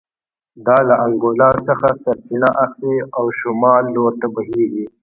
دا له انګولا څخه سرچینه اخلي او شمال لور ته بهېږي